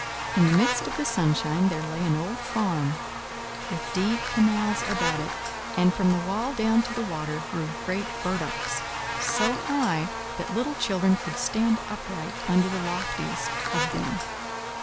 In the midst of the sunshine there lay an old farm, with deep canals about it, and from the wall down to the water grew great burdocks, so high that little children could stand upright under the loftiest of them.